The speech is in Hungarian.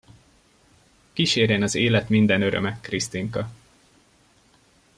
Kísérjen az élet minden öröme, Krisztinka!